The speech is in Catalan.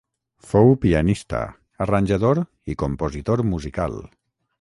Fou pianista, arranjador i compositor musical.